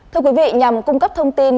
thưa quý vị nhằm cung cấp thông tin